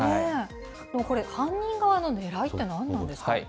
でもこれ、犯人側のねらいって何なんですか？